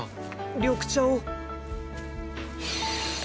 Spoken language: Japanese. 緑茶を。